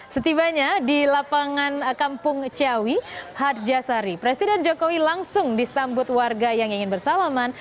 setibanya di lapangan kampung ciawi hard jasari presiden jokowi langsung disambut warga yang ingin bersalaman